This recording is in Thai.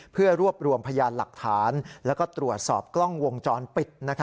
เพื่อรวบรวมพยานหลักฐานแล้วก็ตรวจสอบกล้องวงจรปิด